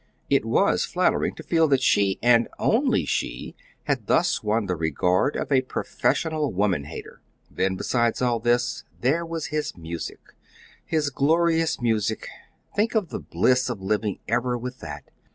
It WAS flattering to feel that she, and only she, had thus won the regard of a professional woman hater. Then, besides all this, there was his music his glorious music. Think of the bliss of living ever with that!